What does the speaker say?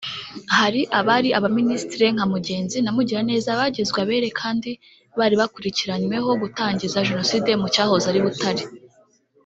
Hari abari Abaminisitiri nka Mugenzi na Mugiraneza bagizwe abere kandi bari bakurikiranyweho gutangiza Jenoside mu cyahoze ari Butare